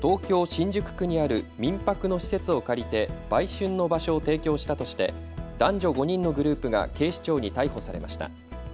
新宿区にある民泊の施設を借りて売春の場所を提供したとして男女５人のグループが警視庁に逮捕されました。